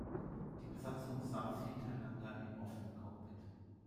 Die Besatzung saß hintereinander im offenen Cockpit.